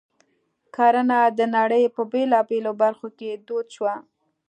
کرنه د نړۍ په بېلابېلو برخو کې دود شوه.